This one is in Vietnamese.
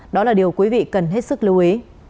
đó là điều quý vị cần hết sức lưu ý